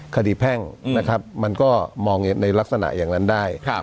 คดีแพ่งอืมนะครับมันก็มองในลักษณะอย่างนั้นได้ครับ